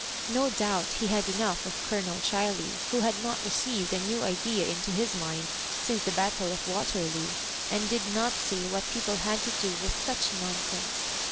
No doubt he had enough of Colonel Chiley, who bad not received a new idea into his mind since the battle of Waterloo, and did not see what people had to do with such nonsense.